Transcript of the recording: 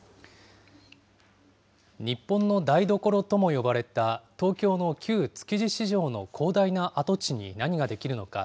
日本の台所とも呼ばれた東京の旧築地市場の広大な跡地に何が出来るのか。